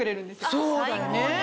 そうだよね。